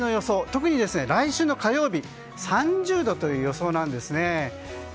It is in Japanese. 特に来週の火曜日３０度という予想なんですね。